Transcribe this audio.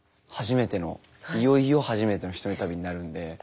初めてのいよいよ初めてのひとり旅になるんで。